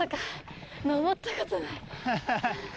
ハハハ。